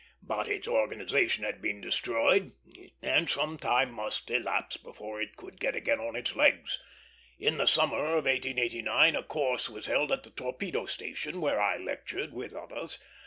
But its organization had been destroyed, and some time must elapse before it could get again on its legs. In the summer of 1889 a course was held at the Torpedo Station, where I lectured with others.